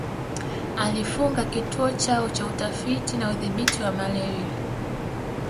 Alifunga Kituo chao cha Utafiti na Udhibiti wa malaria